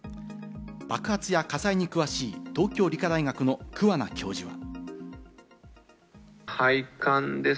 爆発や火災に詳しい東京理科大学の桑名教授は。